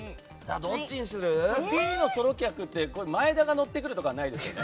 Ｂのソロ客って前田が乗ってくるとかはないですよね。